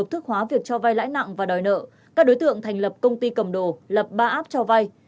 để hợp thức hóa việc cho vai lãi nặng và đòi nợ các đối tượng thành lập công ty cầm đồ lập ba áp cho vai